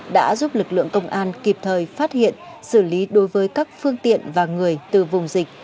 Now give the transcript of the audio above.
đã giúp lực lượng công an kịp thời phát hiện xử lý đối với các phương tiện và người từ vùng dịch